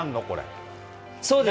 そうです。